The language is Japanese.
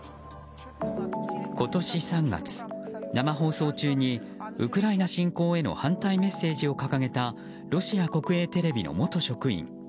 今年３月、生放送中にウクライナ侵攻への反対メッセージを掲げたロシア国営テレビの元職員。